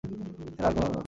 এছাড়া আর কোন গতি নেই।